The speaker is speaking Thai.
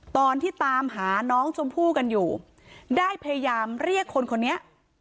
ตอนที่ตามหาน้องชมพู่กันอยู่ได้พยายามเรียกคนคนนี้